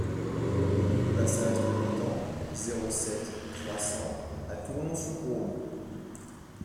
huit passage de l'Étang, zéro sept, trois cents à Tournon-sur-Rhône